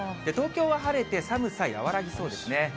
東京は晴れて、寒さ和らぎそうですね。